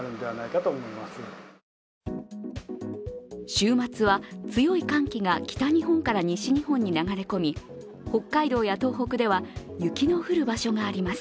週末は強い寒気が北日本から西日本に流れ込み北海道や東北では、雪の降る場所があります。